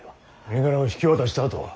身柄を引き渡したあとは？